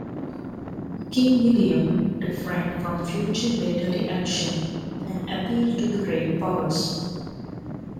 King William refrained from future military action and appealed to the Great Powers.